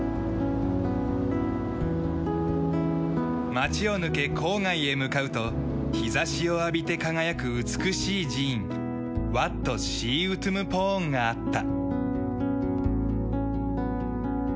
町を抜け郊外へ向かうと日差しを浴びて輝く美しい寺院ワット・シーウトゥムポーンがあった。